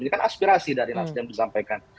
ini kan aspirasi dari nasdem disampaikan